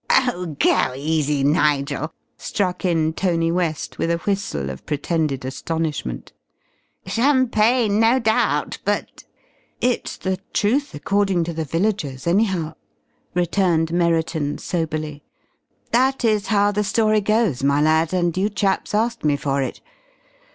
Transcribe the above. "Oh, go easy, Nigel!" struck in Tony West with a whistle of pretended astonishment. "Champagne no doubt, but " "It's the truth according to the villagers, anyhow!" returned Merriton, soberly. "That is how the story goes, my lad, and you chaps asked me for it.